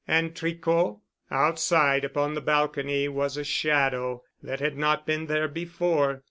And Tricot...? Outside upon the balcony was a shadow that had not been there before.